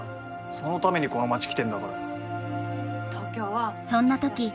そのためにこの町来てんだからよ。